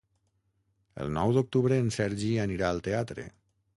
El nou d'octubre en Sergi anirà al teatre.